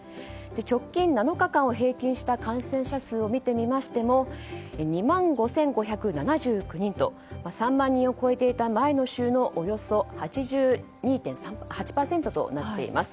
直近７日間を平均した感染者数を見てみても２万５５７８人と３万人を超えていた前の週のおよそ８２．８％となっています。